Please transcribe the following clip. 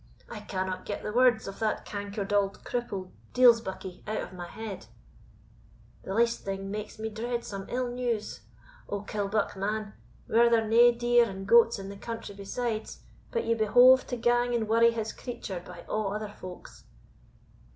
I cannot get the words of that cankered auld cripple deil's buckie out o' my head the least thing makes me dread some ill news. O, Killbuck, man! were there nae deer and goats in the country besides, but ye behoved to gang and worry his creature, by a' other folk's?"